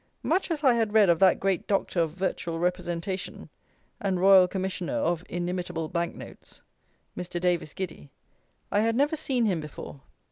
Much as I had read of that great Doctor of virtual representation and Royal Commissioner of Inimitable Bank Notes, Mr. Davies Giddy, I had never seen him before.